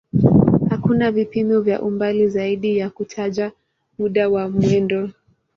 Hakuna vipimo vya umbali zaidi ya kutaja muda wa mwendo.